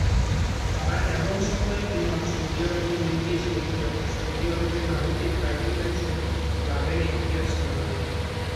তারা এমন সময়ে বিমান সৌদি আরবে নিয়ে গিয়েছিলেন, যখন সৌদি আরবের নারীদের ড্রাইভিং লাইসেন্স লাভের এখতিয়ার ছিল না।